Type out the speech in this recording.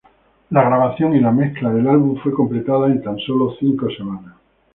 La grabación y la mezcla del álbum fue completada en tan sólo cinco semanas.